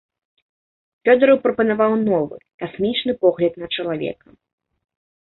Фёдараў прапанаваў новы, касмічны погляд на чалавека.